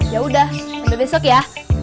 yaudah sampai besok ya